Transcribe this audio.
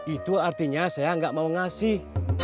itu artinya saya nggak mau ngasih